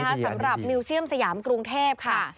สำหรับมิวเซียมสยามกรุงเทพค่ะ